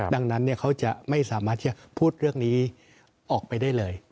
ดังนั้นเขาจะไม่สามารถที่จะพูดเรื่องนี้ออกไปได้เลย